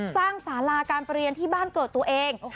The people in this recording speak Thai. สร้างสาราการเปลี่ยนที่บ้านเกิดตัวเอง